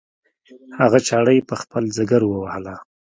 هغه چاړه یې په خپل ځګر ووهله.